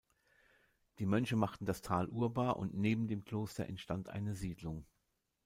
Die Mönche machten das Tal urbar, und neben dem Kloster entstand eine Siedlung.